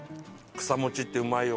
草餅ってうまいよ。